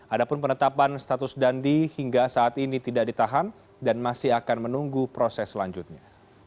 ada pun penetapan status dandi hingga saat ini tidak ditahan dan masih akan menunggu proses selanjutnya